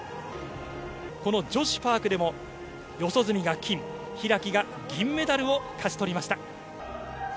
女子パークでも四十住が金、開が銀メダルを勝ち取りました。